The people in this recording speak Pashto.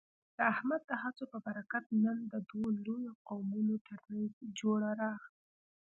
د احمد د هڅو په برکت، نن د دوو لویو قومونو ترمنځ جوړه راغله.